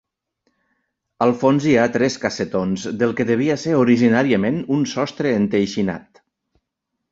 Al fons hi ha tres cassetons del que devia ser originàriament un sostre enteixinat.